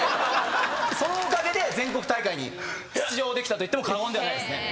そのおかげで全国大会に出場できたと言っても過言ではないですね。